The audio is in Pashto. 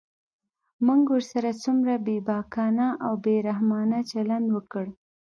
موږ ورسره څومره بېباکانه او بې رحمانه چلند وکړ.